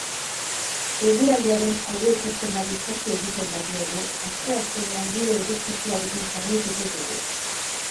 Eguraldiaren aurreikuspenari kasu egiten badiogu, asteazkenean giro eguzkitsuarekin jarraituko dugu.